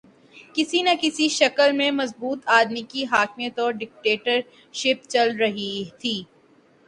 کسی نہ کسی شکل میں مضبوط آدمی کی حاکمیت یا ڈکٹیٹرشپ چل رہی تھی۔